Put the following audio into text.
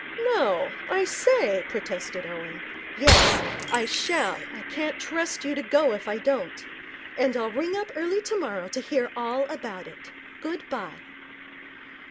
'No I say ' protested Owen. 'Yes, I shall. I can't trust you to go if I don't. And I'll ring up early tomorrow to hear all about it. Good bye.'